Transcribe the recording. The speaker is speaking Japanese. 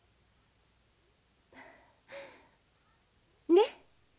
ねっ。